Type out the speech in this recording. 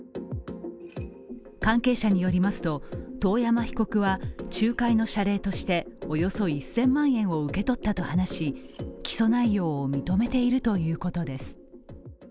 関係者によりますと、遠山被告は仲介の謝礼としておよそ１０００万円を受け取ったと話し起訴内容を認めているということです。